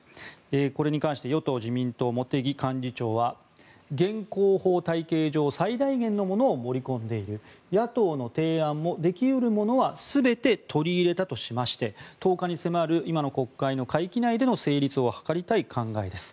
これに関して与党・自民党、茂木幹事長は現行法体系上最大限のものを盛り込んでいる野党の提案も、でき得るものは全て取り入れたとしまして１０日に迫る今の国会の会期内での成立を図りたい考えです。